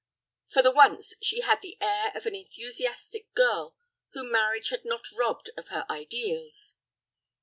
For the once she had the air of an enthusiastic girl whom marriage had not robbed of her ideals.